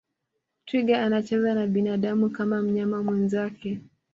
twiga anacheza na binadamu kama mnyama mwenzake